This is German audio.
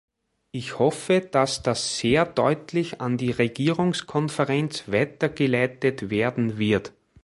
Ich hoffe, dass das sehr deutlich an die Regierungskonferenz weitergeleitet werden wird.